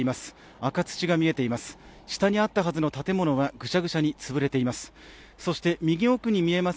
赤土が見えています。